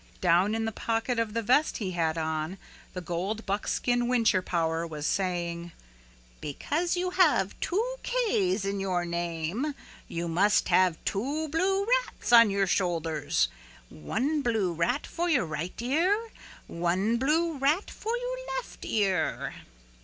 Down in the pocket of the vest he had on, the gold buckskin whincher power was saying, "Because you have two K's in your name you must have two blue rats on your shoulders, one blue rat for your right ear, one blue rat for your left ear."